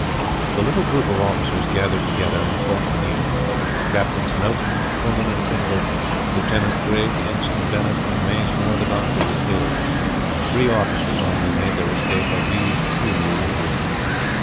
The little group of officers gathered together, and fought to the end. Captains Noton, Truman, and Pringle; Lieutenant Grigg, Ensign Bennet, and Maismore the doctor were killed. Three officers, only, made their escape; of these, two were wounded.